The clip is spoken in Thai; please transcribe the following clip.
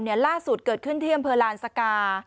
นี้ร่าศุดเกิดขึ้นที่อำเภาราณสการ์